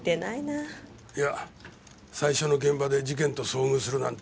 いや最初の現場で事件と遭遇するなんて